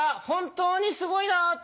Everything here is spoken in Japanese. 本当にすごいなぁ！